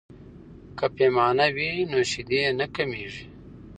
که پیمانه وي نو شیدې نه کمیږي.